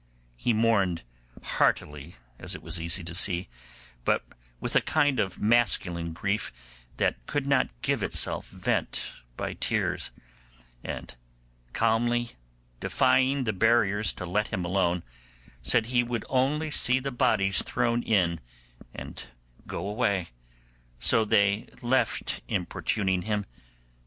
He mourned heartily, as it was easy to see, but with a kind of masculine grief that could not give itself vent by tears; and calmly defying the buriers to let him alone, said he would only see the bodies thrown in and go away, so they left importuning him.